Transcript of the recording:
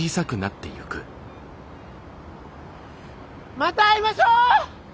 また会いましょう！